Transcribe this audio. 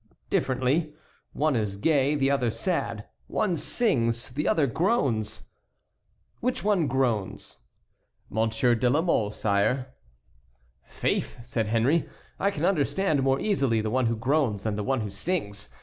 "Differently. One is gay, the other sad; one sings, the other groans." "Which one groans?" "Monsieur de la Mole, sire." "Faith," said Henry, "I can understand more easily the one who groans than the one who sings.